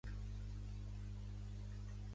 Bastant bé, Tuppy, amic meu.